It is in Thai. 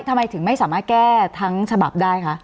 ทำไมถึงไม่สามารถแก้ทั้งฉบับได้คะ